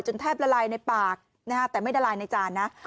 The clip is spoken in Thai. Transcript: แทบละลายในปากนะฮะแต่ไม่ละลายในจานนะ